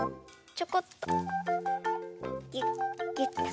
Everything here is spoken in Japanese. ちょこっと。